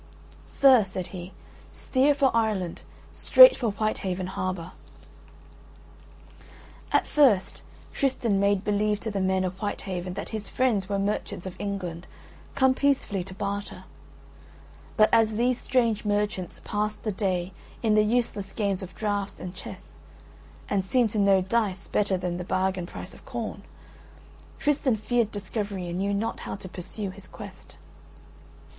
"Sir," said he, "steer for Ireland, straight for Whitehaven harbour." At first Tristan made believe to the men of Whitehaven that his friends were merchants of England come peacefully to barter; but as these strange merchants passed the day in the useless games of draughts and chess, and seemed to know dice better than the bargain price of corn, Tristan feared discovery and knew not how to pursue his quest.